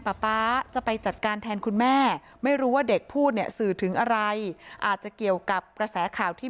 ป๊าจะไปจัดการแทนคุณแม่ไม่รู้ว่าเด็กพูดเนี่ยสื่อถึงอะไรอาจจะเกี่ยวกับกระแสข่าวที่